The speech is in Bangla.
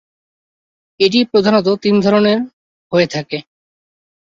এটি প্রধানত তিন ধরনের য়ে থাকে।